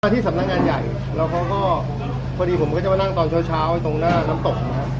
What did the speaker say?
แล้วที่สำนักงานใหญ่พอดีผมก็จะมานั่งตอนเช้าตรงหน้าน้ำตก